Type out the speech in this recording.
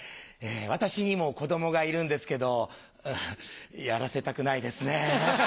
私にも子供がいるんですけどやらせたくないですね。